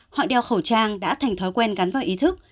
họ đeo khẩu trang đã thành thói quen gắn vào ý thức